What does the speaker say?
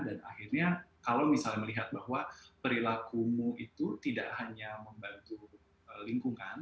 dan akhirnya kalau misalnya melihat bahwa perilakumu itu tidak hanya membantu lingkungan